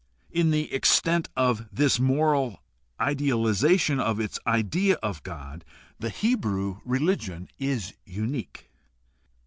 In the extent of this moral idealization of its idea of God the Hebrew religion is unique.